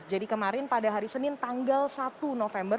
jadi kemarin pada hari senin tanggal satu november